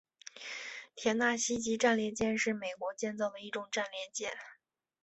田纳西级战列舰是美国建造的一种战列舰。